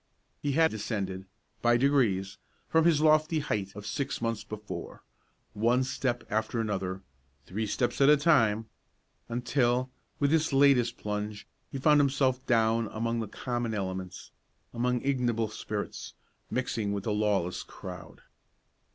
He had descended, by degrees, from his lofty height of six months before, one step after another, three steps at a time, until, with this latest plunge, he found himself down among the common elements, among ignoble spirits, mixing with the lawless crowd.